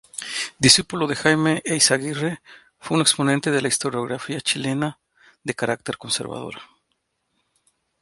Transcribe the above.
Discípulo de Jaime Eyzaguirre, fue un exponente de la historiografía chilena de carácter conservadora.